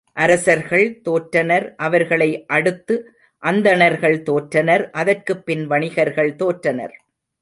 அரசர்கள் தோற்றனர் அவர்களை அடுத்து அந்தணர்கள் தோற்றனர் அதற்குப்பின் வணிகர்கள் தோற்றனர்.